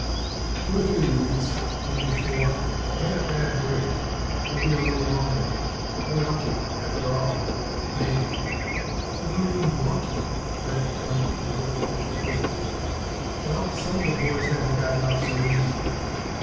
"Two or three weeks maybe four. You had a bad break. Maybe a little longer. You're lucky, after all maybe." "What do you mean, lucky?" Red looked at him quizzically. "Well, some of the boys haven't gotten off so easy."